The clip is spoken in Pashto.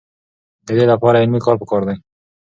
د دې لپاره علمي کار پکار دی.